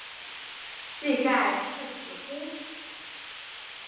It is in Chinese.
技盖至此乎？